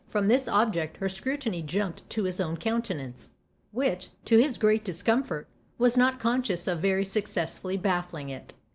From this object her scrutiny jumped to his own countenance, which, to his great discomfort, was not conscious of very successfully baffling it.